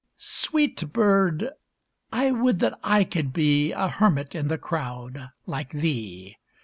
a (89) Sweet bird ! I would that I could be A hermit in the crowd like thee